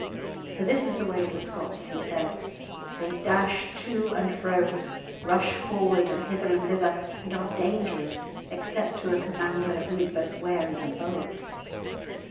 [Illustration: Egil at Vinheath] "For this is the way of the Scots," he said; "they dash to and fro, rush forward and hither and thither, and are dangerous except to a commander who is both wary and bold."